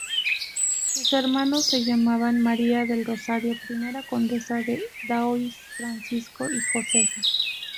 Sus hermanos se llamaban María del Rosario, primera condesa de Daoiz, Francisco y Josefa.